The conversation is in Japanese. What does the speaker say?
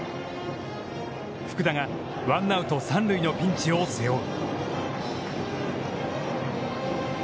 福田がワンアウト、三塁のピンチを背負う。